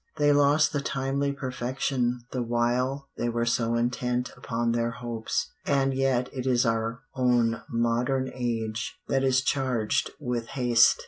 They lost the timely perfection the while they were so intent upon their hopes. And yet it is our own modern age that is charged with haste!